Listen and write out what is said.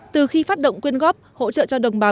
từ khi phát động quyên góp hỗ trợ cho đồng bào